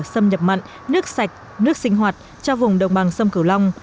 xâm nhập mặn nước sạch nước sinh hoạt cho vùng đồng bằng sông cửu long